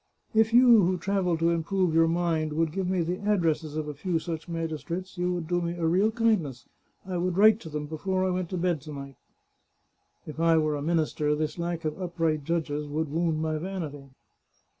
" If you, who travel to improve your mind, would give me the addresses of a few such magistrates, you would do me a real kindness. I would write to them before I went to bed to night." " If I were a minister this lack of upright judges would wound my vanity."